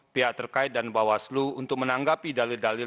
pihak terkait dan bawah selu untuk menanggapi dalil dalil